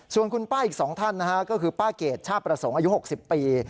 ส่วนคุณป้าอีก๒ท่านนะฮะก็คือป้าเกรดชาติประสงค์อายุ๖๐ปี